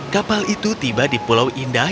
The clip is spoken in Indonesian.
kapal itu tiba di pulau indah